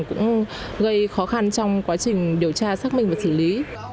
cũng gây khó khăn trong quá trình điều tra xác minh và xử lý